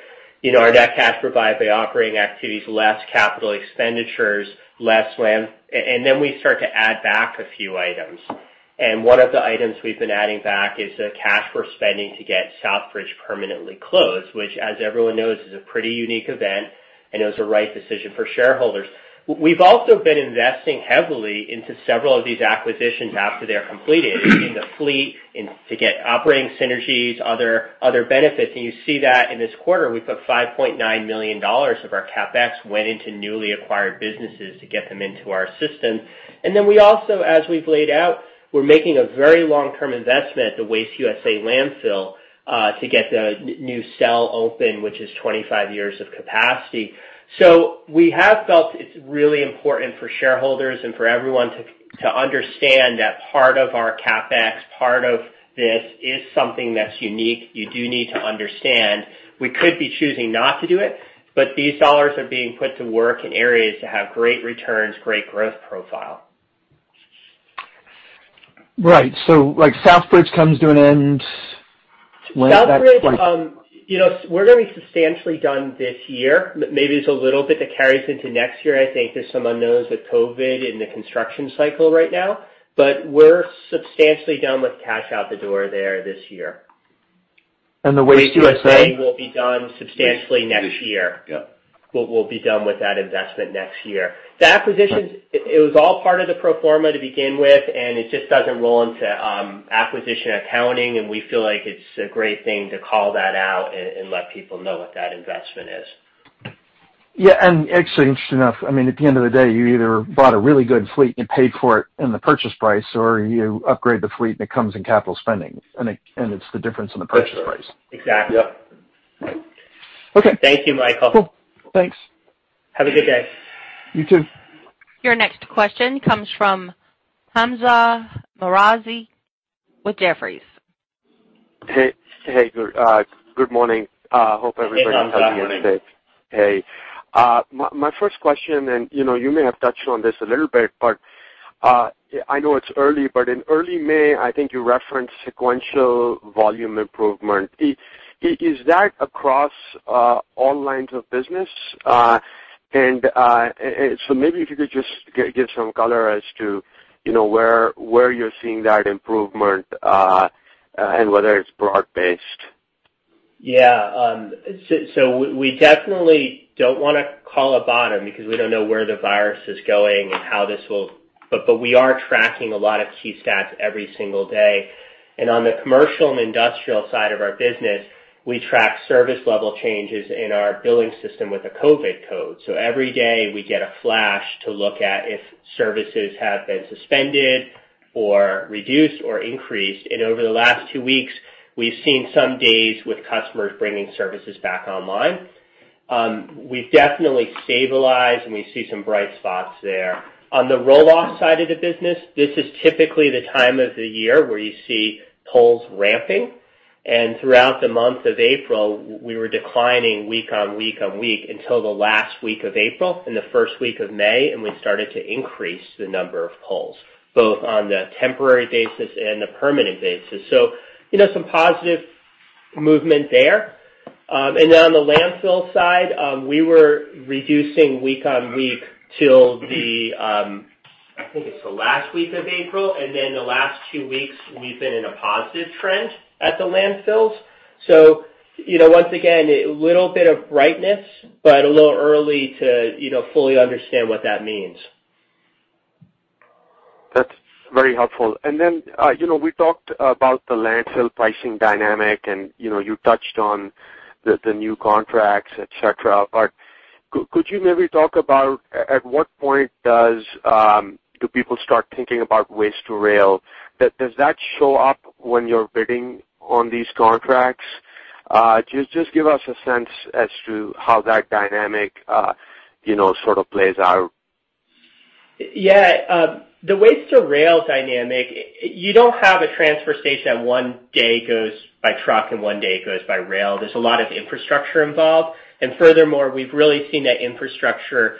our net cash provided by operating activities, less capital expenditures, less land. Then we start to add back a few items. One of the items we've been adding back is the cash we're spending to get Southbridge permanently closed, which as everyone knows, is a pretty unique event, and it was the right decision for shareholders. We've also been investing heavily into several of these acquisitions after they're completed in the fleet, to get operating synergies, other benefits. You see that in this quarter. We put $5.9 million of our CapEx went into newly acquired businesses to get them into our system. We also, as we've laid out, we're making a very long-term investment at the Waste USA landfill, to get the new cell open, which is 25 years of capacity. We have felt it's really important for shareholders and for everyone to understand that part of our CapEx, part of this is something that's unique. You do need to understand. We could be choosing not to do it, these dollars are being put to work in areas that have great returns, great growth profile.
Right. Southbridge comes to an end when that's.
Southbridge, we're going to be substantially done this year. Maybe there's a little bit that carries into next year. I think there's some unknowns with COVID-19 in the construction cycle right now, but we're substantially done with cash out the door there this year.
The Waste USA?
Waste USA will be done substantially next year.
Yeah.
We'll be done with that investment next year. The acquisitions, it was all part of the pro forma to begin with, and it just doesn't roll into acquisition accounting, and we feel like it's a great thing to call that out and let people know what that investment is.
Yeah. Actually, interestingly enough, at the end of the day, you either bought a really good fleet and you paid for it in the purchase price, or you upgrade the fleet and it comes in capital spending, and it's the difference in the purchase price.
That's right. Exactly.
Yeah. Right. Okay.
Thank you, Michael.
Cool. Thanks.
Have a good day.
You too.
Your next question comes from Hamzah Mazari with Jefferies.
Hey. Good morning. Hope everybody-
Hey, Hamzah. Good morning
is having a good day. My first question, and you may have touched on this a little bit, but I know it's early, but in early May, I think you referenced sequential volume improvement. Is that across all lines of business? Maybe if you could just give some color as to where you're seeing that improvement, and whether it's broad-based.
We definitely don't want to call a bottom because we don't know where the COVID-19 is going. We are tracking a lot of key stats every single day. On the commercial and industrial side of our business, we track service level changes in our billing system with a COVID-19 code. Every day, we get a flash to look at if services have been suspended or reduced or increased. Over the last two weeks, we've seen some days with customers bringing services back online. We've definitely stabilized, and we see some bright spots there. On the roll-off side of the business, this is typically the time of the year where you see pulls ramping. Throughout the month of April, we were declining week on week on week until the last week of April and the first week of May, and we started to increase the number of pulls, both on the temporary basis and the permanent basis. Some positive movement there. On the landfill side, we were reducing week on week till the, I think it's the last week of April. The last two weeks, we've been in a positive trend at the landfills. Once again, a little bit of brightness, but a little early to fully understand what that means.
That's very helpful. We talked about the landfill pricing dynamic, and you touched on the new contracts, et cetera, but could you maybe talk about at what point do people start thinking about waste to rail? Does that show up when you're bidding on these contracts? Just give us a sense as to how that dynamic sort of plays out.
Yeah. The waste to rail dynamic, you don't have a transfer station that one day it goes by truck and one day it goes by rail. Furthermore, we've really seen that infrastructure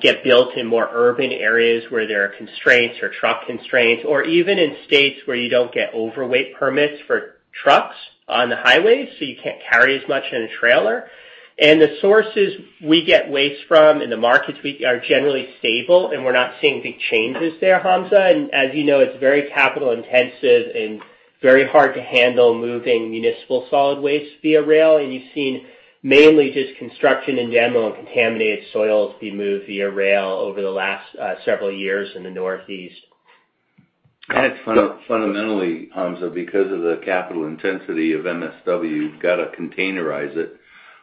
get built in more urban areas where there are constraints or truck constraints, or even in states where you don't get overweight permits for trucks on the highways, so you can't carry as much in a trailer. The sources we get waste from and the markets are generally stable, and we're not seeing big changes there, Hamzah. As you know, it's very capital-intensive and very hard to handle moving municipal solid waste via rail, and you've seen mainly just construction and demo and contaminated soils be moved via rail over the last several years in the Northeast.
It's fundamentally, Hamzah, because of the capital intensity of MSW, you've got to containerize it,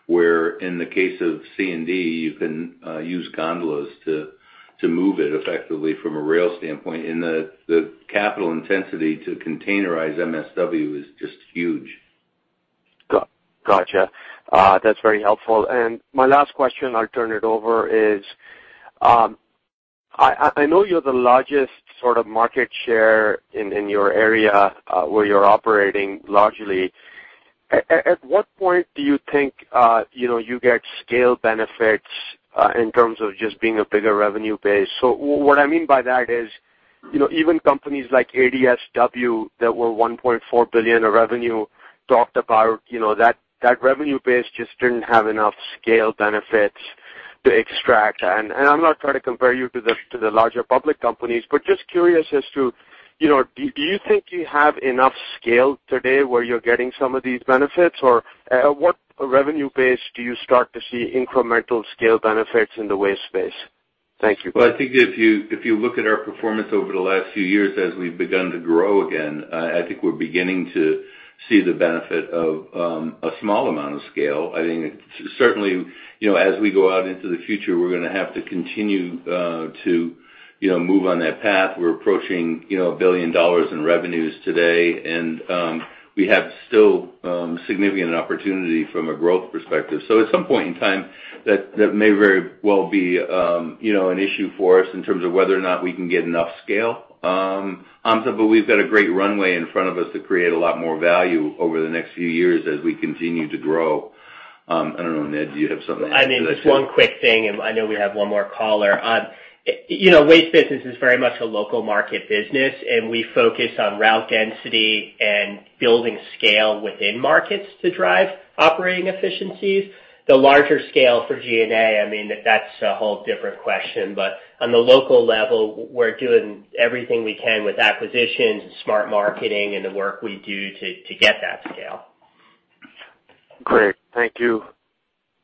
where in the case of C&D, you can use gondolas to move it effectively from a rail standpoint. The capital intensity to containerize MSW is just huge.
Gotcha. That's very helpful. My last question, I'll turn it over, is, I know you're the largest sort of market share in your area, where you're operating largely. At what point do you think you get scale benefits, in terms of just being a bigger revenue base? What I mean by that is. Even companies like ADSW that were $1.4 billion of revenue talked about that revenue base just didn't have enough scale benefits to extract. I'm not trying to compare you to the larger public companies, but just curious as to, do you think you have enough scale today where you're getting some of these benefits? At what revenue base do you start to see incremental scale benefits in the waste space? Thank you.
I think if you look at our performance over the last few years as we've begun to grow again, I think we're beginning to see the benefit of a small amount of scale. I think certainly, as we go out into the future, we're going to have to continue to move on that path. We're approaching $1 billion in revenues today, and we have still significant opportunity from a growth perspective. At some point in time, that may very well be an issue for us in terms of whether or not we can get enough scale. Hamzah, we've got a great runway in front of us to create a lot more value over the next few years as we continue to grow. I don't know, Ned, do you have something to add to that too?
Just one quick thing, and I know we have one more caller. Waste business is very much a local market business, and we focus on route density and building scale within markets to drive operating efficiencies. The larger scale for G&A, that's a whole different question. On the local level, we're doing everything we can with acquisitions and smart marketing and the work we do to get that scale.
Great. Thank you.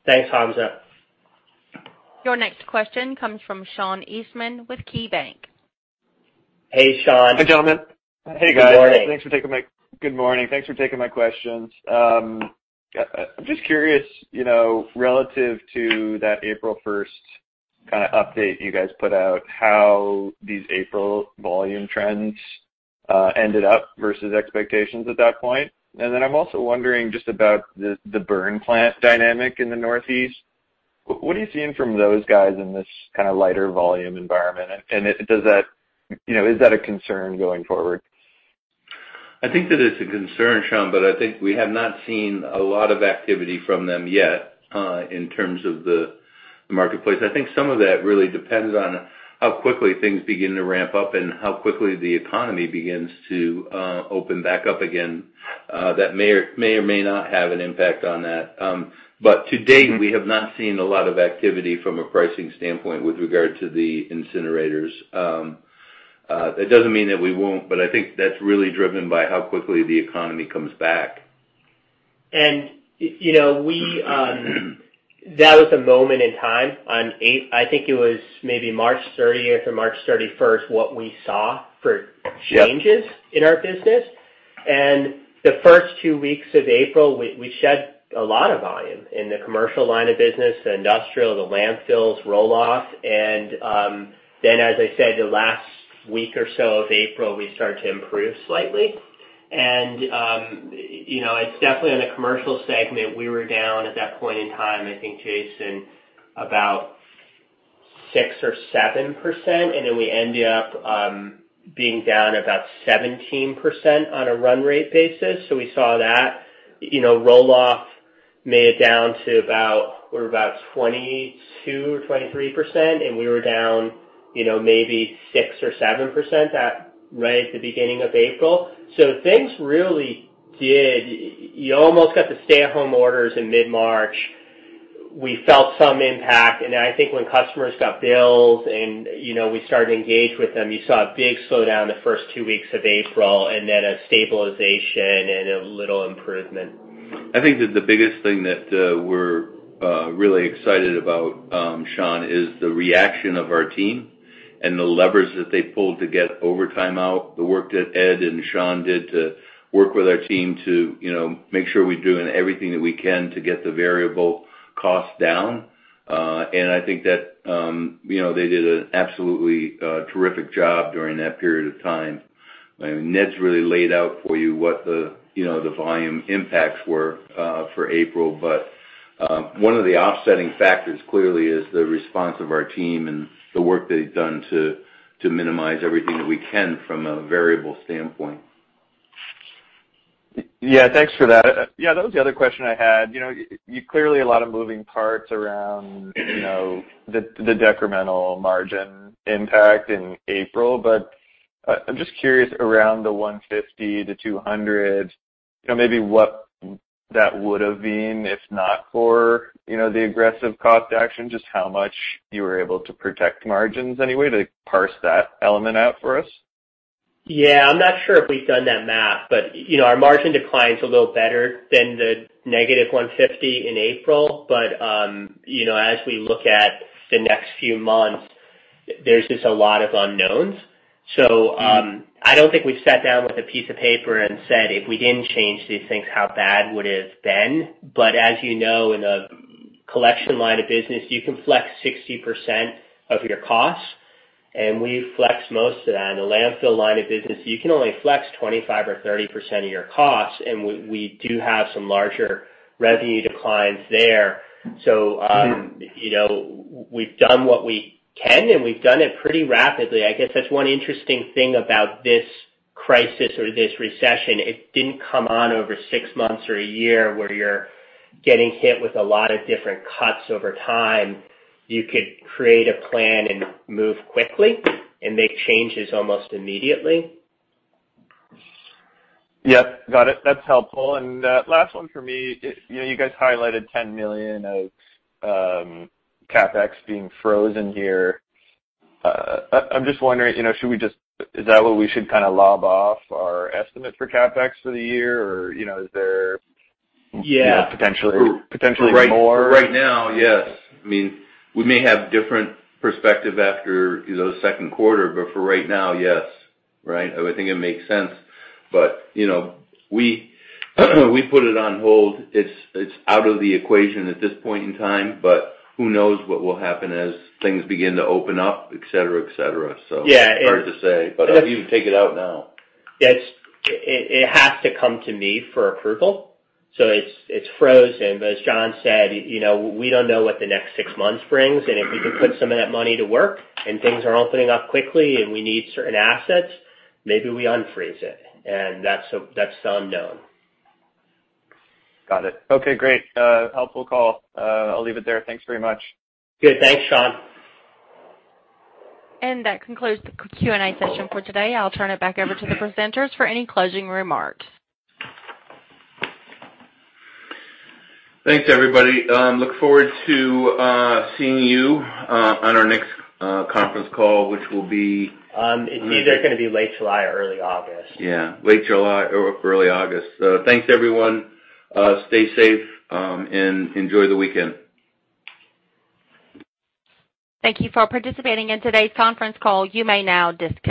Thanks, Hamzah.
Your next question comes from Sean Eastman with KeyBanc.
Hey, Sean.
Hi, gentlemen.
Good morning.
Hey, guys. Good morning. Thanks for taking my questions. I'm just curious, relative to that April 1st update you guys put out, how these April volume trends ended up versus expectations at that point. I'm also wondering just about the burn plant dynamic in the Northeast. What are you seeing from those guys in this kind of lighter volume environment? Is that a concern going forward?
I think that it's a concern, Sean, but I think we have not seen a lot of activity from them yet in terms of the marketplace. I think some of that really depends on how quickly things begin to ramp up and how quickly the economy begins to open back up again. That may or may not have an impact on that. To date, we have not seen a lot of activity from a pricing standpoint with regard to the incinerators. It doesn't mean that we won't, but I think that's really driven by how quickly the economy comes back.
That was a moment in time on, I think it was maybe March 30th or March 31st, what we saw for changes. Yeah in our business. The first two weeks of April, we shed a lot of volume in the commercial line of business, the industrial, the landfills roll-off. As I said, the last week or so of April, we started to improve slightly. It's definitely on the commercial segment, we were down at that point in time, I think, Jason, about 6% or 7%. We ended up being down about 17% on a run rate basis. We saw that. Roll-off made it down to about, we're about 22% or 23%. We were down maybe 6% or 7% right at the beginning of April. Things really did. You almost got the stay-at-home orders in mid-March. We felt some impact. I think when customers got bills and we started to engage with them, you saw a big slowdown the first two weeks of April, and then a stabilization and a little improvement.
I think that the biggest thing that we're really excited about, Sean, is the reaction of our team and the levers that they pulled to get overtime out, the work that Ed and Sean did to work with our team to make sure we're doing everything that we can to get the variable cost down. I think that they did an absolutely terrific job during that period of time. Ned's really laid out for you what the volume impacts were for April. One of the offsetting factors clearly is the response of our team and the work they've done to minimize everything that we can from a variable standpoint.
Yeah. Thanks for that. That was the other question I had. Clearly a lot of moving parts around the decremental margin impact in April, but I'm just curious, around the 150 to 200, maybe what that would've been if not for the aggressive cost action, just how much you were able to protect margins any way. To parse that element out for us.
I'm not sure if we've done that math, but our margin decline's a little better than the negative 150 in April. As we look at the next few months, there's just a lot of unknowns. I don't think we've sat down with a piece of paper and said, "If we didn't change these things, how bad would it have been?" As you know, in a collection line of business, you can flex 60% of your costs, and we flexed most of that. In the landfill line of business, you can only flex 25% or 30% of your costs, and we do have some larger revenue declines there. We've done what we can, and we've done it pretty rapidly. I guess that's one interesting thing about this crisis or this recession. It didn't come on over six months or a year where you're getting hit with a lot of different cuts over time. You could create a plan and move quickly and make changes almost immediately.
Yep. Got it. That's helpful. Last one for me. You guys highlighted $10 million of CapEx being frozen here. I'm just wondering, is that what we should kind of lob off our estimate for CapEx for the year?
Yeah
potentially more?
Right now, yes. We may have different perspective after the second quarter, but for right now, yes. I think it makes sense. We put it on hold. It's out of the equation at this point in time, but who knows what will happen as things begin to open up, et cetera.
Yeah.
It's hard to say, but I'd even take it out now.
It has to come to me for approval. It's frozen. As John said, we don't know what the next six months brings, and if we can put some of that money to work and things are opening up quickly and we need certain assets, maybe we unfreeze it. That's the unknown.
Got it. Okay, great. Helpful call. I'll leave it there. Thanks very much.
Good. Thanks, Sean.
That concludes the Q&A session for today. I'll turn it back over to the presenters for any closing remarks.
Thanks, everybody. Look forward to seeing you on our next conference call.
It's either going to be late July or early August.
Yeah. Late July or early August. Thanks, everyone. Stay safe and enjoy the weekend.
Thank you for participating in today's conference call. You may now disconnect.